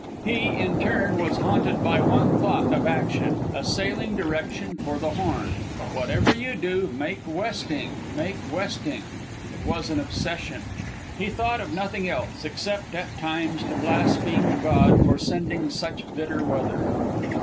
He, in turn, was haunted by one thought of action, a sailing direction for the Horn: Whatever you do, make westing! make westing! It was an obsession. He thought of nothing else, except, at times, to blaspheme God for sending such bitter weather.